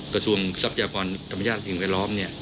กระทรวงทรัพยากรธรรมชาติสินคล้ายล้อมเนี่ย